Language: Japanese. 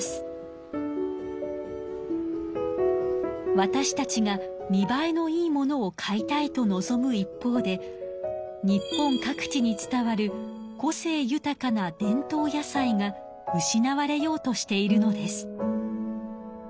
わたしたちが見ばえのいいものを買いたいと望む一方で日本各地に伝わる個性豊かな伝統野菜が失われようとしているのです。